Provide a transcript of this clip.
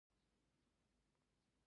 د معدې د دروندوالي لپاره د څه شي عرق وڅښم؟